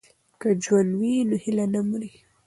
که ژوند وي نو هیله نه مري.